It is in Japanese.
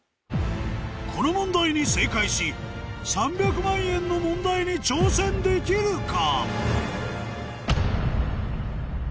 この問題に正解し３００万円の問題に挑戦できるか？